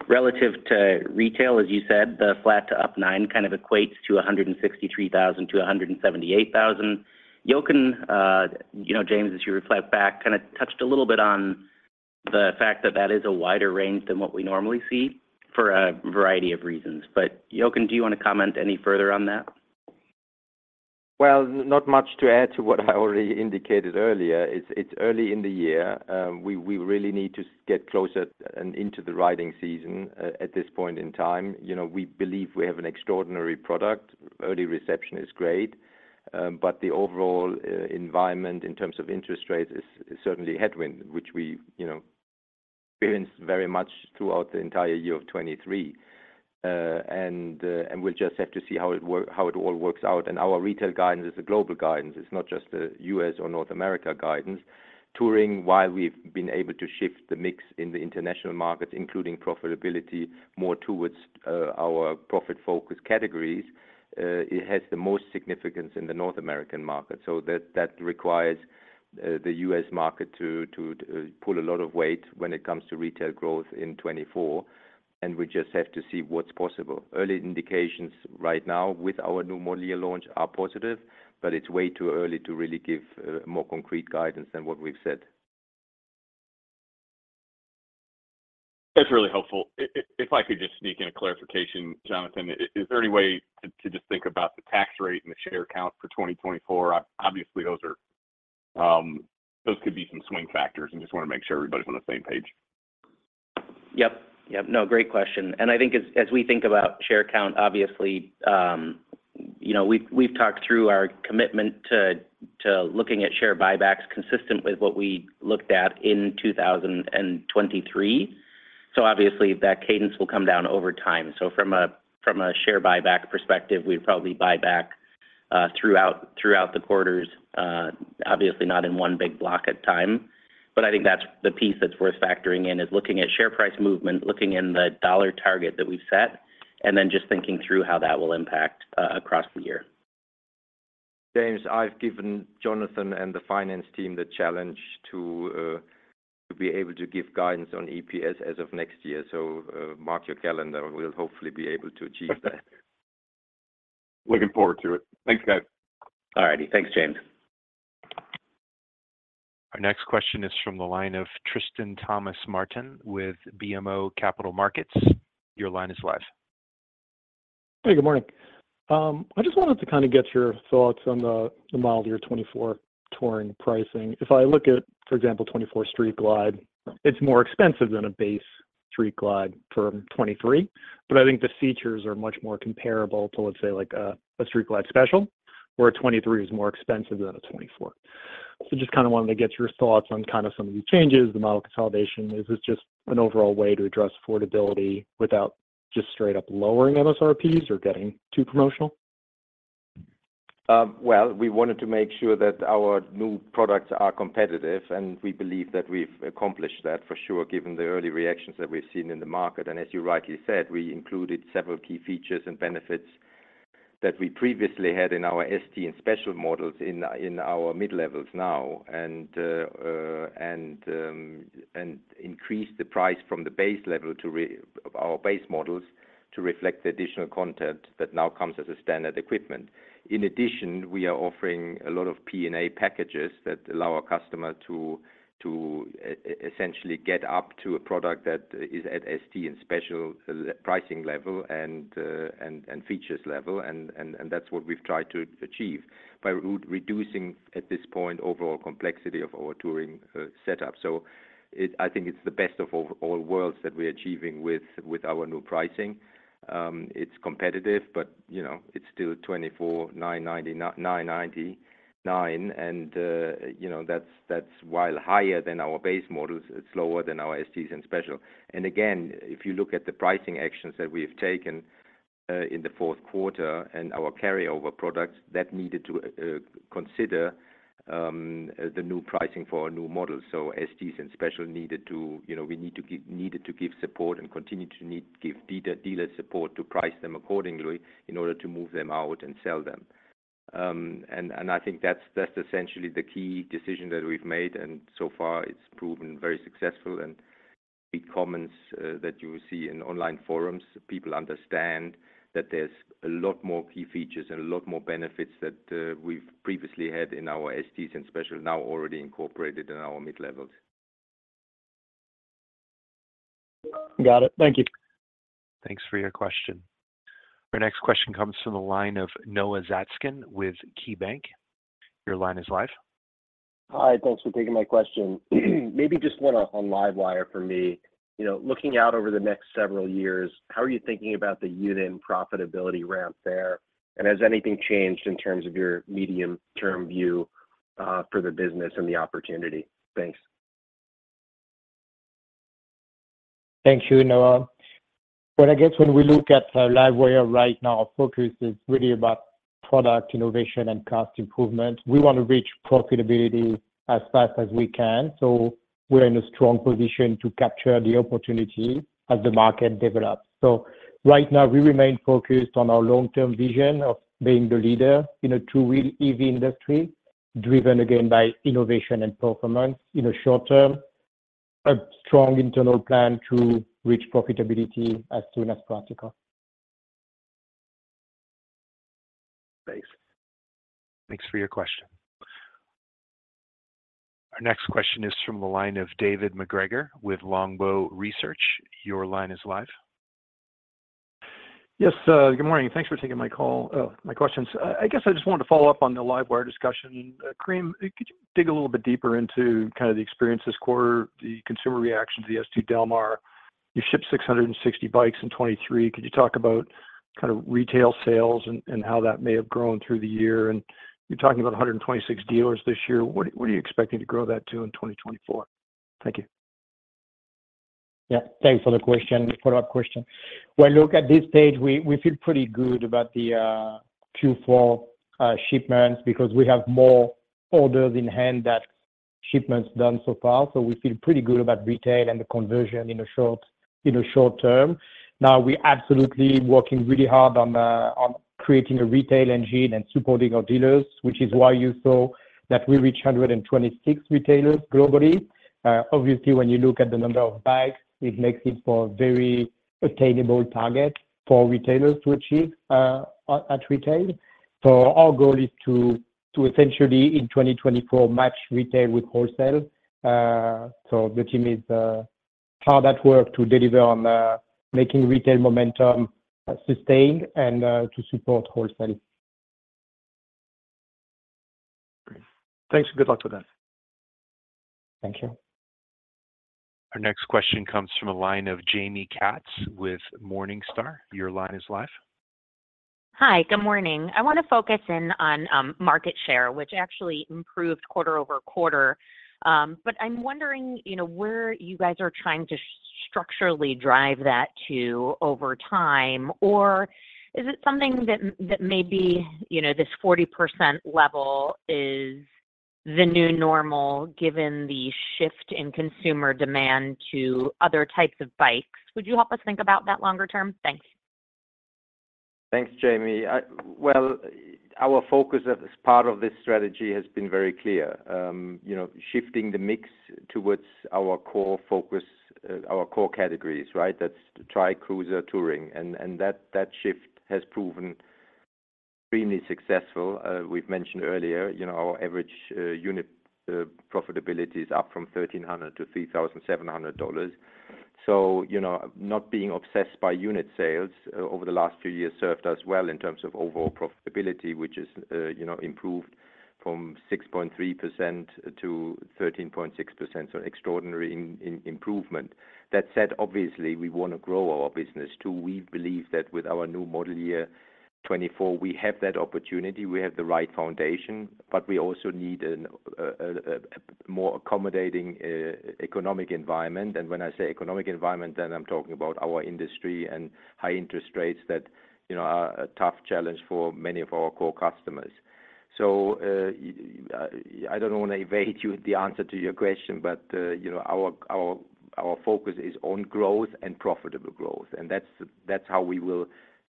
Relative to retail, as you said, the flat to up 9% kind of equates to 163,000 to 178,000. Jochen, you know, James, as you reflect back, kind of touched a little bit on the fact that that is a wider range than what we normally see for a variety of reasons. But Jochen, do you want to comment any further on that? Well, not much to add to what I already indicated earlier. It's early in the year. We really need to get closer and into the riding season at this point in time. You know, we believe we have an extraordinary product. Early reception is great, but the overall environment in terms of interest rates is certainly a headwind, which we, you know, experienced very much throughout the entire year of 2023. We'll just have to see how it all works out. And our retail guidance is a global guidance. It's not just a U.S. or North America guidance. Touring, while we've been able to shift the mix in the international markets, including profitability, more towards our profit focus categories, it has the most significance in the North American market. That requires the U.S. market to pull a lot of weight when it comes to retail growth in 2024, and we just have to see what's possible. Early indications right now with our new model year launch are positive, but it's way too early to really give more concrete guidance than what we've said. That's really helpful. If I could just sneak in a clarification, Jonathan. Is there any way to just think about the tax rate and the share count for 2024? Obviously, those could be some swing factors and just want to make sure everybody's on the same page. Yep. Yep. No, great question. And I think as we think about share count, obviously, you know, we've talked through our commitment to looking at share buybacks consistent with what we looked at in 2023. So obviously, that cadence will come down over time. So from a share buyback perspective, we'd probably buy back throughout the quarters, obviously not in one big block at a time. But I think that's the piece that's worth factoring in, is looking at share price movement, looking in the dollar target that we've set, and then just thinking through how that will impact across the year. James, I've given Jonathan and the finance team the challenge to be able to give guidance on EPS as of next year. So, mark your calendar, we'll hopefully be able to achieve that. Looking forward to it. Thanks, guys. All righty. Thanks, James. Our next question is from the line of Tristan M. Thomas-Martin with BMO Capital Markets. Your line is live. Hey, good morning. I just wanted to kind of get your thoughts on the, the model year 2024 touring pricing. If I look at, for example, 2024 Street Glide, it's more expensive than a base Street Glide for 2023, but I think the features are much more comparable to, let's say, like a, a Street Glide Special, where a 2023 is more expensive than a 2024. So just kind of wanted to get your thoughts on kind of some of the changes, the model consolidation. Is this just an overall way to address affordability without just straight up lowering MSRPs or getting too promotional? Well, we wanted to make sure that our new products are competitive, and we believe that we've accomplished that for sure, given the early reactions that we've seen in the market. And as you rightly said, we included several key features and benefits that we previously had in our ST and Special models in our mid-levels now, and increased the price from the base level to our base models to reflect the additional content that now comes as a standard equipment. In addition, we are offering a lot of P&A packages that allow our customer to essentially get up to a product that is at ST and special pricing level and features level. And that's what we've tried to achieve by reducing, at this point, overall complexity of our touring setup. It, I think it's the best of all, all worlds that we're achieving with, with our new pricing. It's competitive, but, you know, it's still $24,999, and, you know, that's, that's while higher than our base models, it's lower than our STs and Special. And again, if you look at the pricing actions that we have taken, in the fourth quarter and our carryover products, that needed to consider the new pricing for our new models. So STs and Special needed to, you know, we need to give-- needed to give support and continue to need, give dealers support to price them accordingly in order to move them out and sell them. And, and I think that's, that's essentially the key decision that we've made, and so far it's proven very successful. The comments that you will see in online forums, people understand that there's a lot more key features and a lot more benefits that we've previously had in our STs and Special, now already incorporated in our mid-levels. Got it. Thank you. Thanks for your question. Our next question comes from the line of Noah Zatzkin with KeyBanc. Your line is live. Hi, thanks for taking my question. Maybe just one on LiveWire for me. You know, looking out over the next several years, how are you thinking about the unit and profitability ramp there? And has anything changed in terms of your medium-term view, for the business and the opportunity? Thanks. Thank you, Noah. Well, I guess when we look at, LiveWire right now, our focus is really about product innovation and cost improvement. We want to reach profitability as fast as we can, so we're in a strong position to capture the opportunity as the market develops. So right now, we remain focused on our long-term vision of being the leader in a two-wheel EV industry, driven again by innovation and performance. In the short term, a strong internal plan to reach profitability as soon as practical. Thanks. Thanks for your question. Our next question is from the line of David MacGregor with Longbow Research. Your line is live. Yes, good morning. Thanks for taking my call, my questions. I guess I just wanted to follow up on the LiveWire discussion. Karim, could you dig a little bit deeper into kind of the experience this quarter, the consumer reaction to the S2 Del Mar? You shipped 600 bikes in 2023. Could you talk about kind of retail sales and how that may have grown through the year? And you're talking about 126 dealers this year. What are you expecting to grow that to in 2024? Thank you. Yeah, thanks for the question, follow-up question. When we look at this stage, we feel pretty good about the Q4 shipments because we have more orders in hand than shipments done so far. So we feel pretty good about retail and the conversion in the short term. Now, we're absolutely working really hard on creating a retail engine and supporting our dealers, which is why you saw that we reached 126 retailers globally. Obviously, when you look at the number of bikes, it makes it for a very attainable target for retailers to achieve at retail. So our goal is to essentially, in 2024, match retail with wholesale. So the team is hard at work to deliver on making retail momentum sustained and to support wholesale. Great. Thanks, and good luck with that. Thank you. Our next question comes from a line of Jamie Katz with Morningstar. Your line is live. Hi, good morning. I want to focus in on market share, which actually improved quarter-over-quarter. But I'm wondering, you know, where you guys are trying to structurally drive that to over time? Or is it something that may be, you know, this 40% level is the new normal, given the shift in consumer demand to other types of bikes? Would you help us think about that longer term? Thanks. Thanks, Jamie. Well, our focus as part of this strategy has been very clear. You know, shifting the mix towards our core focus, our core categories, right? That's Trike, cruiser, touring, and that shift has proven extremely successful. We've mentioned earlier, you know, our average unit profitability is up from $1,300 to $3,700. So, you know, not being obsessed by unit sales over the last few years served us well in terms of overall profitability, which is, you know, improved from 6.3% to 13.6%. So extraordinary improvement. That said, obviously, we want to grow our business too. We believe that with our new model year 2024, we have that opportunity, we have the right foundation, but we also need a more accommodating economic environment. And when I say economic environment, then I'm talking about our industry and high interest rates that, you know, are a tough challenge for many of our core customers. I don't want to evade you the answer to your question, but, you know, our focus is on growth and profitable growth, and that's how we will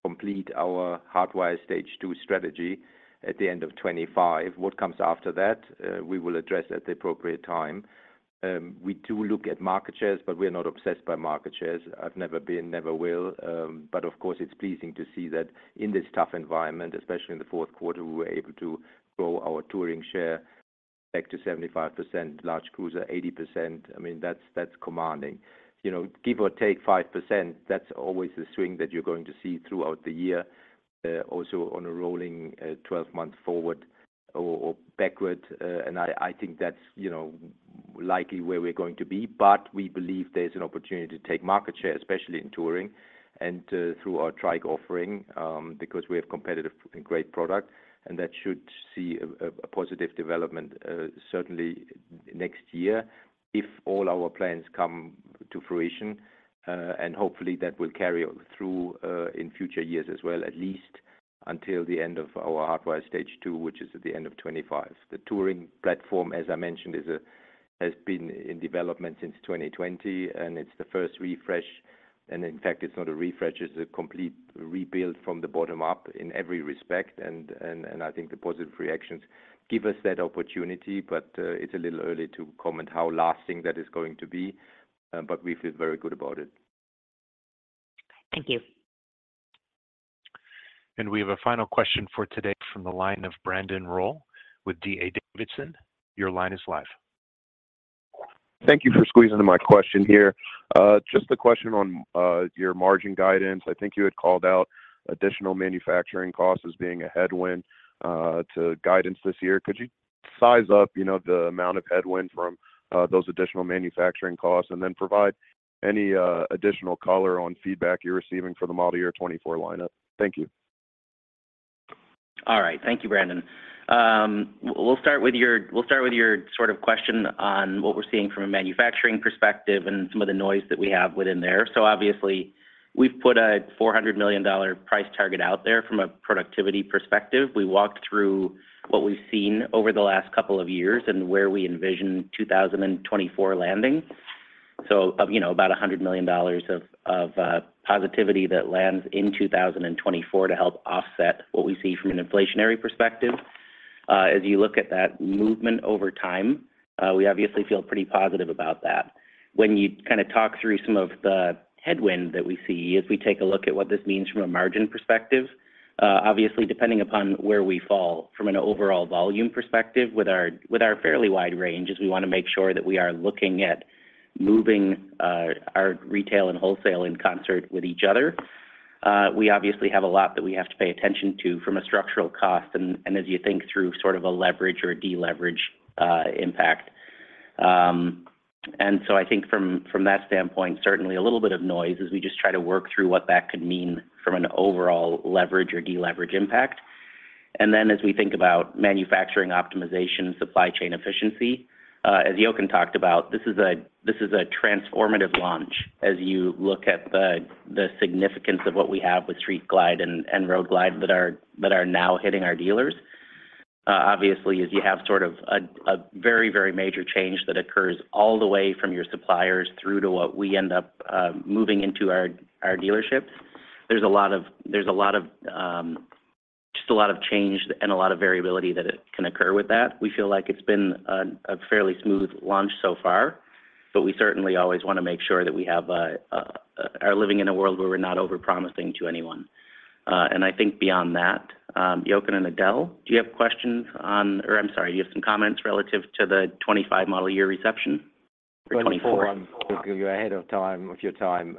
complete our Hardwire Stage Two strategy at the end of 2025. What comes after that, we will address at the appropriate time. We do look at market shares, but we're not obsessed by market shares. I've never been, never will. Of course, it's pleasing to see that in this tough environment, especially in the fourth quarter, we were able to grow our touring share back to 75%, large cruiser, 80%. I mean, that's, that's commanding. You know, give or take 5%, that's always the swing that you're going to see throughout the year. Also on a rolling 12 months forward or backward. And I think that's, you know, likely where we're going to be. But we believe there's an opportunity to take market share, especially in touring and through our trike offering, because we have competitive and great product, and that should see a positive development, certainly next year if all our plans come to fruition. Hopefully, that will carry through in future years as well, at least until the end of our Hardwire Stage Two, which is at the end of 2025. The touring platform, as I mentioned, has been in development since 2020, and it's the first refresh. And in fact, it's not a refresh, it's a complete rebuild from the bottom up in every respect. And I think the positive reactions give us that opportunity, but it's a little early to comment how lasting that is going to be, but we feel very good about it. Thank you. We have a final question for today from the line of Brandon Rolle with D.A. Davidson. Your line is live. Thank you for squeezing in my question here. Just a question on your margin guidance. I think you had called out additional manufacturing costs as being a headwind to guidance this year. Could you size up, you know, the amount of headwind from those additional manufacturing costs and then provide any additional color on feedback you're receiving for the model year 2024 lineup? Thank you. All right. Thank you, Brandon. We'll start with your sort of question on what we're seeing from a manufacturing perspective and some of the noise that we have within there. So obviously, we've put a $400 million price target out there from a productivity perspective. We walked through what we've seen over the last couple of years and where we envision 2024 landing. So, you know, about a $100 million of positivity that lands in 2024 to help offset what we see from an inflationary perspective. As you look at that movement over time, we obviously feel pretty positive about that. When you kind of talk through some of the headwind that we see as we take a look at what this means from a margin perspective, obviously, depending upon where we fall from an overall volume perspective with our, with our fairly wide range, is we want to make sure that we are looking at moving our retail and wholesale in concert with each other. We obviously have a lot that we have to pay attention to from a structural cost and, and as you think through sort of a leverage or a deleverage impact. And so I think from, from that standpoint, certainly a little bit of noise as we just try to work through what that could mean from an overall leverage or deleverage impact. Then as we think about manufacturing optimization and supply chain efficiency, as Jochen talked about, this is a transformative launch as you look at the significance of what we have with Street Glide and Road Glide that are now hitting our dealers. Obviously, as you have sort of a very, very major change that occurs all the way from your suppliers through to what we end up moving into our dealerships, there's a lot of just a lot of change and a lot of variability that it can occur with that. We feel like it's been a fairly smooth launch so far, but we certainly always want to make sure that we are living in a world where we're not over-promising to anyone. I think beyond that, Jochen and Edel, do you have questions on—or I'm sorry, do you have some comments relative to the 25 model year reception? Or 24. You're ahead of your time.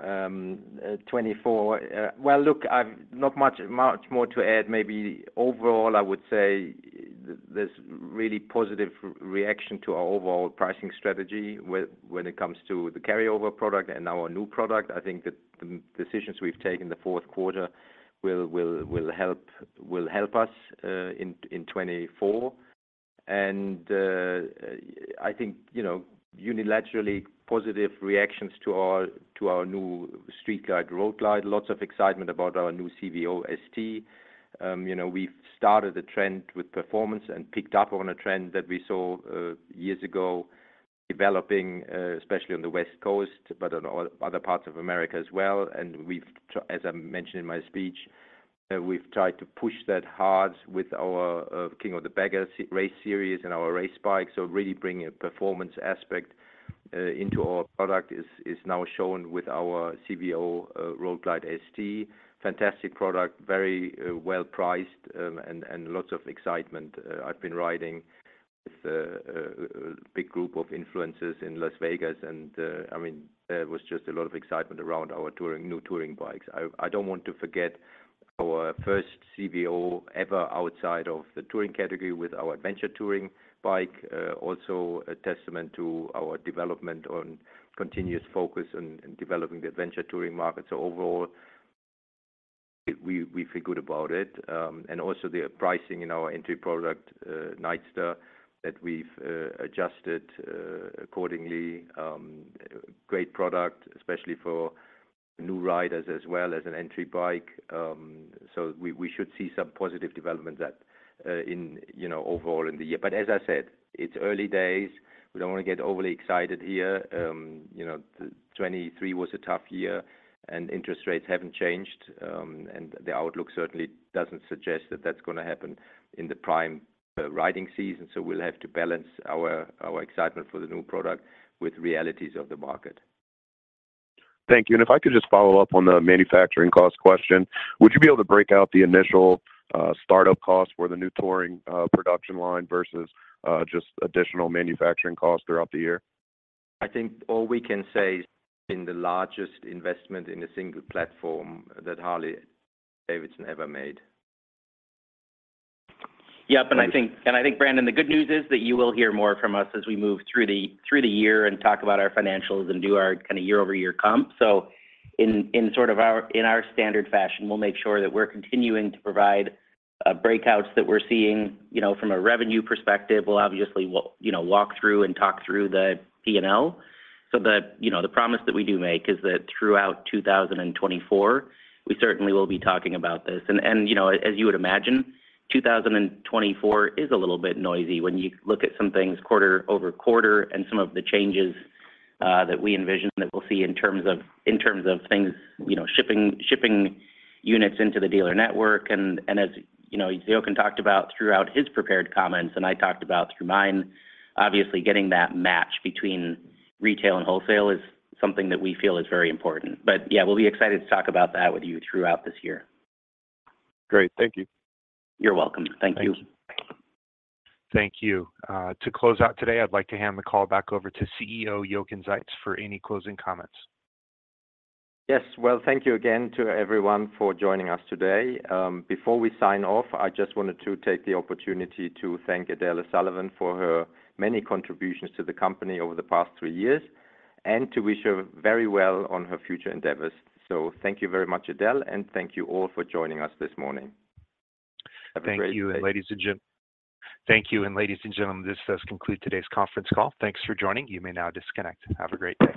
Well, look, I've not much more to add. Maybe overall, I would say there's really positive reaction to our overall pricing strategy, when it comes to the carryover product and our new product. I think that the decisions we've taken the fourth quarter will help us in 2024. And I think, you know, universally positive reactions to our new Street Glide, Road Glide. Lots of excitement about our new CVO ST. You know, we've started a trend with performance and picked up on a trend that we saw years ago developing, especially on the West Coast, but on other parts of America as well. We've tried, as I mentioned in my speech, we've tried to push that hard with our King of the Baggers race series and our race bike. So really bringing a performance aspect into our product is now shown with our CVO Road Glide ST. Fantastic product, very well priced, and lots of excitement. I've been riding with a big group of influencers in Las Vegas, and I mean, there was just a lot of excitement around our new touring bikes. I don't want to forget our first CVO ever outside of the touring category with our adventure touring bike. Also a testament to our development on continuous focus on developing the adventure touring market. So overall, we feel good about it. Also the pricing in our entry product, Nightster, that we've adjusted accordingly. Great product, especially for new riders as well as an entry bike. So we should see some positive development that in you know overall in the year. But as I said, it's early days. We don't want to get overly excited here. You know, 2023 was a tough year, and interest rates haven't changed, and the outlook certainly doesn't suggest that that's going to happen in the prime riding season. So we'll have to balance our excitement for the new product with realities of the market. Thank you. And if I could just follow up on the manufacturing cost question, would you be able to break out the initial, startup costs for the new touring, production line versus, just additional manufacturing costs throughout the year? I think all we can say is in the largest investment in a single platform that Harley-Davidson ever made. Yep, and I think, Brandon, the good news is that you will hear more from us as we move through the year and talk about our financials and do our kind of year-over-year comp. So in sort of our standard fashion, we'll make sure that we're continuing to provide breakouts that we're seeing. You know, from a revenue perspective, we'll obviously walk through and talk through the PNL. So the promise that we do make is that throughout 2024, we certainly will be talking about this. You know, as you would imagine, 2024 is a little bit noisy when you look at some things quarter-over-quarter and some of the changes that we envision that we'll see in terms of things, you know, shipping units into the dealer network. And as you know, Jochen talked about throughout his prepared comments, and I talked about through mine, obviously, getting that match between retail and wholesale is something that we feel is very important. But yeah, we'll be excited to talk about that with you throughout this year. Great. Thank you. You're welcome. Thank you. Thank you. To close out today, I'd like to hand the call back over to CEO, Jochen Zeitz, for any closing comments. Yes. Well, thank you again to everyone for joining us today. Before we sign off, I just wanted to take the opportunity to thank Edel O'Sullivan for her many contributions to the company over the past three years, and to wish her very well on her future endeavors. Thank you very much, Edel, and thank you all for joining us this morning. Have a great day. Thank you, ladies and gentlemen, this does conclude today's conference call. Thanks for joining. You may now disconnect. Have a great day.